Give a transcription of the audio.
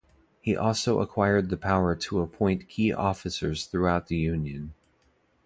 He also acquired the power to appoint key officers throughout the union.